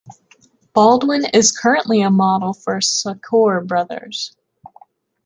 Baldwin is currently a model for Sacoor Brothers.